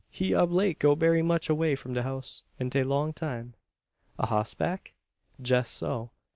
He ob late go berry much away from de house an tay long time." "A hossback?" "Jess so.